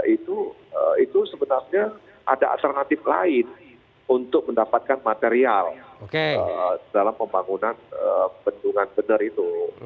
itu sebenarnya ada alternatif lain untuk mendapatkan material dalam pembangunan bendungan bener itu